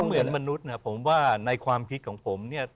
เหมือนมนุษย์นะผมว่าในความคิดของผมเนี่ย